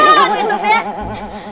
nah bagus banget ya